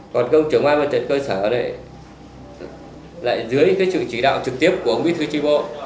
còn ông trưởng ban một trận cơ sở này lại dưới cái trực chỉ đạo trực tiếp của ông bí thư tri bộ